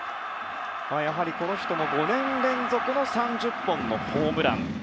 この人も５年連続３０本のホームラン。